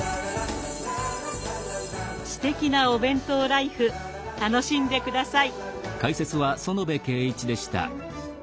すてきなお弁当ライフ楽しんで下さい。